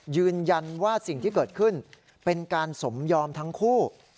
ยืนยันว่าสิ่งที่เกิดขึ้นเป็นการสมยอมทั้งคู่